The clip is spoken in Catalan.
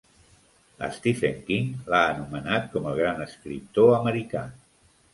Stephen King l'ha anomenat com el gran escriptor americà.